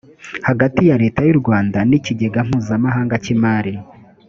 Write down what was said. hagati ya leta y u rwanda n ikigega mpuzamahanga cy imari